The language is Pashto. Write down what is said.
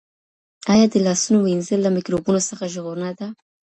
ایا د لاسونو وینځل له میکروبونو څخه ژغورنه ده؟